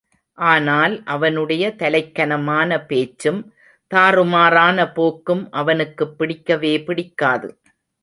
ஆனால் அவனுடைய தலைக்கனமான பேச்சும், தாறுமாறான போக்கும் அவனுக்குப் பிடிக்கவே பிடிக்காது.